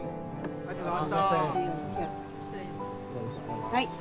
ありがとうございます。